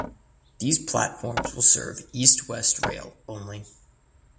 These platforms will serve East West Rail (only).